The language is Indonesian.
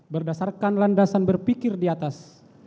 berdasarkan landasan berpikir diatas